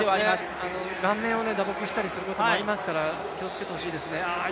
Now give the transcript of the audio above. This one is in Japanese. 顔面を打撲したりすることもあるから気をつけてほしいですね。